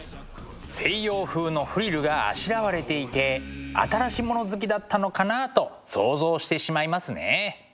西洋風のフリルがあしらわれていて新し物好きだったのかなと想像してしまいますね。